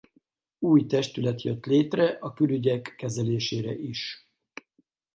Új testület jött lére a külügyek kezelésére is.